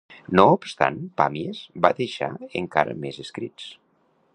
No obstant, Pàmies va deixar encara més escrits.